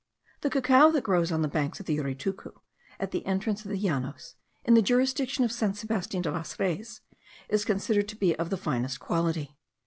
The cacao that grows on the banks of the Uritucu, at the entrance of the llanos, in the jurisdiction of San Sebastian de las Reyes, is considered to be of the finest quality.